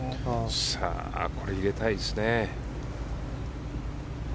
これは入れたいですね。